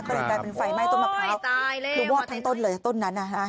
ก็เลยกลายเป็นไฟไหม้ต้นมะพร้าวคือวอดทั้งต้นเลยต้นนั้นนะฮะ